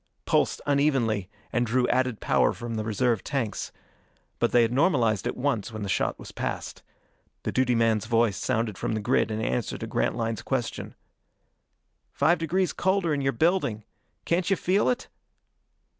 Pulsed unevenly, and drew added power from the reserve tanks. But they had normalized at once when the shot was past. The duty man's voice sounded from the grid in answer to Grantline's question: "Five degrees colder in your building. Can't you feel it?"